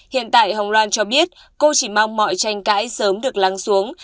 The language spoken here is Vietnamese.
hiện tại hồng loan cho biết cô chỉ mong mọi tranh cãi sớm được lắng xuống